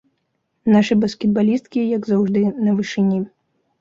Нашы баскетбалісткі, як заўжды, на вышыні.